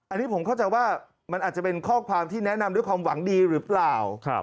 อันนี้ผมเข้าใจว่ามันอาจจะเป็นข้อความที่แนะนำด้วยความหวังดีหรือเปล่า